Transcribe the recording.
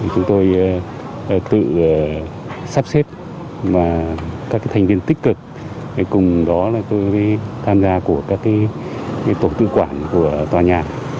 chúng tôi tự sắp xếp và các thành viên tích cực cùng đó là tôi tham gia của các tổ tự quản của tòa nhà